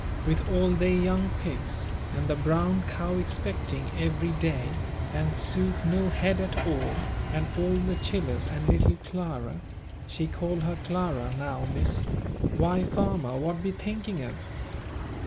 "with all they young pigs, and the brown cow expecting every day, and Suke no head at all, and all the chillers and little Clara" she call her "Clara" now, Miss, "why farmer what be thinking of?"